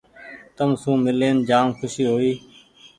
تم سون مي لين جآم کوشي هوئي ۔